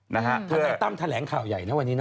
ทนายตั้มแถลงข่าวใหญ่นะวันนี้นะ